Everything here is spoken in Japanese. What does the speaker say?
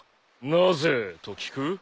「なぜ？」と聞く？